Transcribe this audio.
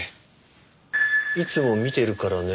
「いつも見てるからね。